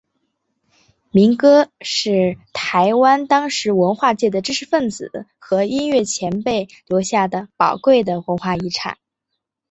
民歌是台湾当时文化界的知识份子和音乐前辈留下的宝贵的文化遗产。